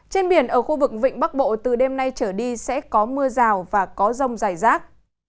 trên biển ở khu vực vịnh bắc bộ từ đêm nay trở đi sẽ có mưa rào và có rông dài rác